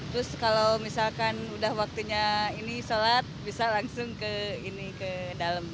terus kalau misalkan udah waktunya ini sholat bisa langsung ke ini ke dalam